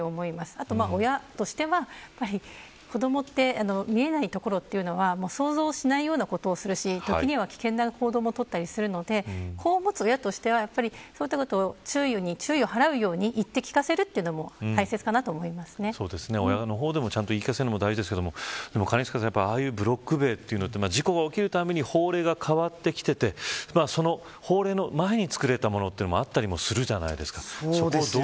あと、親としては子どもは見えないところでは想像しないようなことをするし時には危険な行動もとったりするので、子を持つ親としては周囲に注意を払うように言って聞かせるのも親の方でも言い聞かせるのも大事ですけどブロック塀は事故が起きるたびに法令が変わってきて法令の前に作られたものもあったりするじゃないですか。